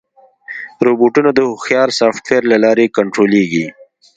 روبوټونه د هوښیار سافټویر له لارې کنټرولېږي.